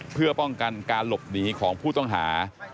เพื่อป้องกันการหลบหนีของผู้ต้องหา